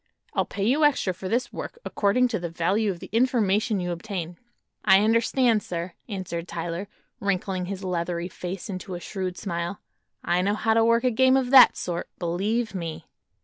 I'll pay you extra for this work, according to the value of the information you obtain." "I understand, sir," answered Tyler, wrinkling his leathery face into a shrewd smile; "I know how to work a game of that sort, believe me."